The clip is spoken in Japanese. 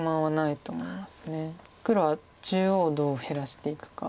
黒は中央をどう減らしていくか。